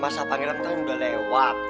masa pangeran itu udah lewat